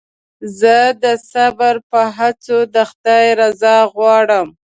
زه د صبر په هڅو د خدای رضا غواړم.